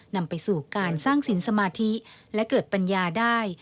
นำไปสู่การสร้างสินสมาธิและเกิดปัญญาได้